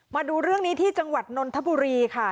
มาดูเรื่องนี้ที่จังหวัดนนทบุรีค่ะ